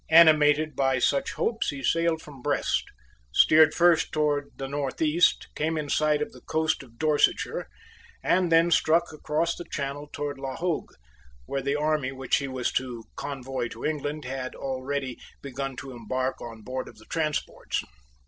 Animated by such hopes he sailed from Brest, steered first towards the north east, came in sight of the coast of Dorsetshire, and then struck across the Channel towards La Hogue, where the army which he was to convoy to England had already begun to embark on board of the transports.